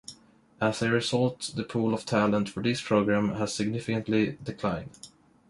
As a result, the pool of talent for these programs has significantly declined.